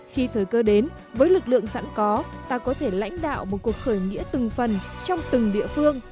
khi thời cơ đến với lực lượng sẵn có ta có thể lãnh đạo một cuộc khởi nghĩa từng phần trong từng địa phương